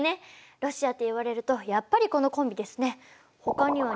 ロシアと言われるとやっぱりこのコンビですね。